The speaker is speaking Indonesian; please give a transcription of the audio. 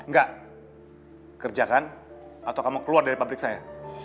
enggak kerjakan atau kamu keluar dari pabrik saya